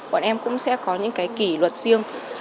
bọn em cũng sẽ có những cái kỷ luật riêng